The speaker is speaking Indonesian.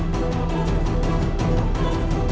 pegang kuat pegang kuat